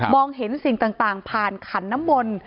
มองเห็นสิ่งต่างผ่านขันน้ำบล